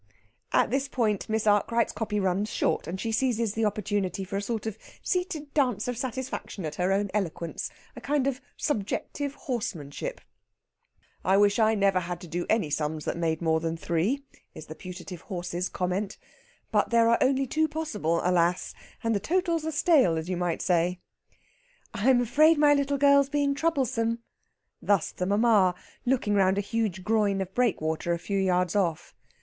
At this point Miss Arkwright's copy runs short, and she seizes the opportunity for a sort of seated dance of satisfaction at her own eloquence a kind of subjective horsemanship. "I wish I never had to do any sums that made more than three," is the putative horse's comment. "But there are only two possible, alas! And the totals are stale, as you might say." "I'm afraid my little girl's being troublesome." Thus the mamma, looking round a huge groin of breakwater a few yards off.